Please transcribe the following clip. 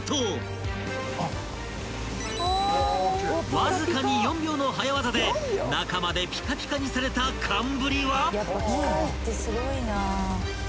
［わずかに４秒の早業で中までピカピカにされた寒ぶりは］